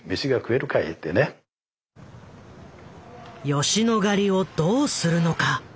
吉野ヶ里をどうするのか。